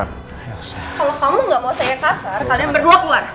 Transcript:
kalau kamu gak mau saya kasar kalian berdua keluar